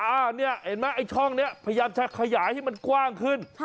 อันนี้เห็นไหมไอ้ช่องนี้พยายามจะขยายให้มันกว้างขึ้น